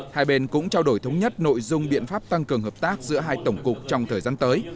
hai bên cũng trao đổi thống nhất nội dung biện pháp tăng cường hợp tác giữa hai tổng cục trong thời gian tới